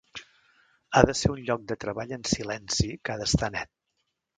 Ha de ser un lloc de treball en silenci que ha d'estar net.